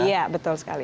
iya betul sekali